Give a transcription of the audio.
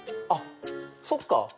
あっそっか。